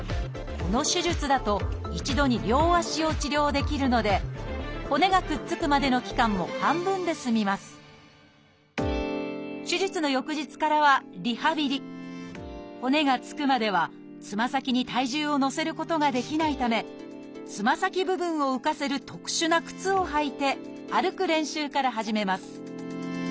この手術だと一度に両足を治療できるので骨がくっつくまでの期間も半分で済みます骨がつくまではつま先に体重を乗せることができないためつま先部分を浮かせる特殊な靴を履いて歩く練習から始めます